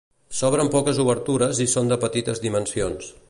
S'obren poques obertures i són de petites dimensions.